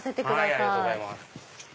ありがとうございます。